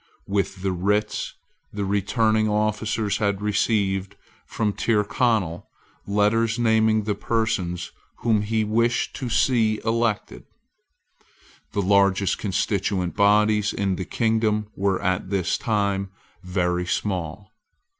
With the writs the returning officers had received from Tyrconnel letters naming the persons whom he wished to see elected. The largest constituent bodies in the kingdom were at this time very small.